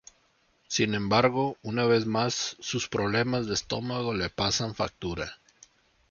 Sin embargo, una vez más sus problemas de estómago le pasan factura.